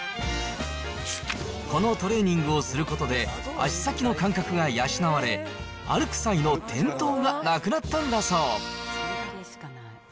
このトレーニングをすることで、足先の感覚が養われ、歩く際の転倒がなくなったんだそう。